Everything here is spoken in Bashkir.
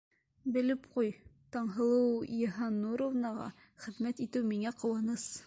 Белеп ҡуй: Таңһылыу Йыһаннуровнаға хеҙмәт итеү миңә ҡыуаныс!